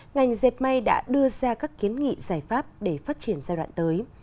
ngành dẹp may đã đưa ra các kiến nghị giải pháp để phát triển giai đoạn tới